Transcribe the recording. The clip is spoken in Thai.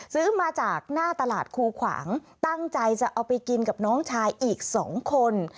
ซื้อมาจากหน้าตลาดคูขวางตั้งใจจะเอาไปกินกับน้องชายอีก๒คน